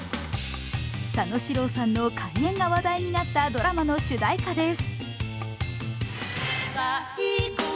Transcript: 佐野史郎さんの怪演が話題になったドラマの主題歌です。